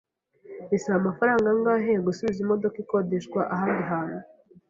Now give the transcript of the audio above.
Bisaba amafaranga angahe gusubiza imodoka ikodeshwa ahandi hantu?